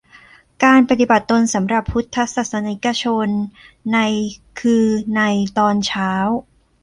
การปฏิบัติตนสำหรับพุทธศาสนิกชนใน คือ ในตอนเช้า